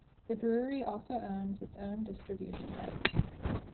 The brewery also owns its own distribution rights.